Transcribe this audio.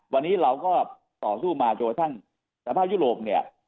วันนี้เราก็ต่อสู้มาจนกระทั่งสภาพยุโรปเนี่ย